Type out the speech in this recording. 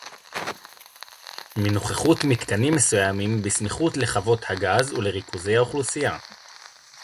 מנוכחות מתקנים מסוימים בסמיכות לחוות הגז ולריכוזי האוכלוסייה